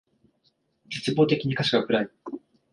絶望的に歌詞が暗い